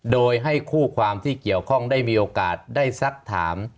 โดยให้คู่ความที่เกี่ยวข้องได้มีโอกาสได้สักถาม